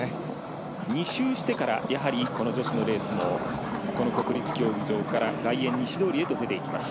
２周してから女子のレースも国立競技場から外苑西通りへと出ていきます。